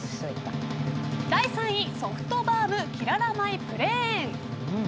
第３位、ソフトバウムきらら米プレーン。